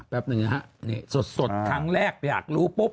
แปปหนึ่งครับสดครั้งแรกอยากรู้ปุ๊บ